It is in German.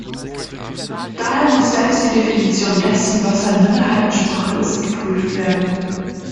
Daher muss selbst die Definition dessen, was eine Minderheitensprache ist, geprüft werden.